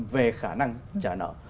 về khả năng trả nợ